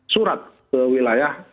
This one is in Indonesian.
surat ke wilayah